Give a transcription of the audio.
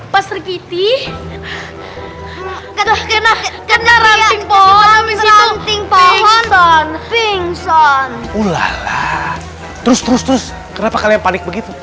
pas tergiti kena kena ramping pohon pohon pingsan ulala terus terus terus kenapa kalian panik begitu